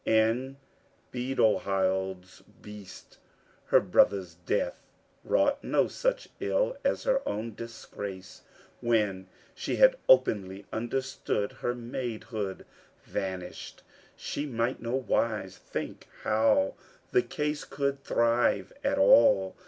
In Beadohild's breast, her brothers' death wrought no such ill as her own disgrace, when she had openly understood her maidhood vanished; she might no wise think how the case could thrive at all.